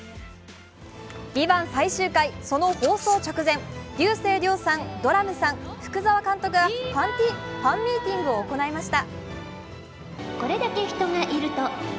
「ＶＩＶＡＮＴ」最終回、その放送直前、竜星涼さん、ドラムさん、福澤監督がファンミーティングを行いました。